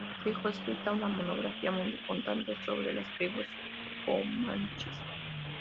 Dejó escrita una monografía muy importante sobre las tribus comanches.